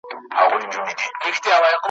او ما په هغه پسي اقتداء کړې ده ,